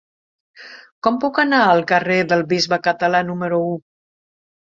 Com puc anar al carrer del Bisbe Català número u?